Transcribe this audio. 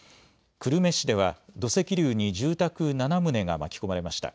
久留米市では土石流に住宅７棟が巻き込まれました。